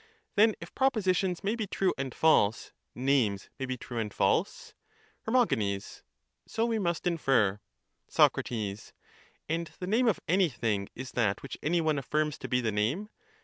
Then, if propositions may be true and false, names may be true and false? Her. So we must infer. Soc. And the name of anything is that which any one affirms to be the name?